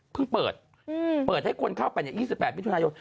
เปิดเปิดให้คนเข้าไป๒๘มิถุนายน